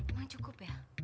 emang cukup ya